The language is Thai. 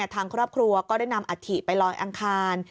ทางครอบครัวก็ได้นำอัฐิไปลอยอังคาร